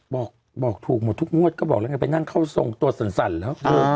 ถ้าบอกถูกหมดทุบงวดก็บอกไปนั่งเข้าส่งตรวจสั่นแล้ว